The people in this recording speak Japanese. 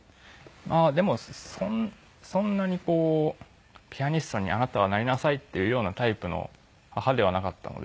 まあでもそんなにこうピアニストにあなたはなりなさいっていうようなタイプの母ではなかったので。